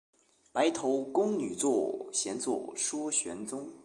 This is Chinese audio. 白头宫女在，闲坐说玄宗。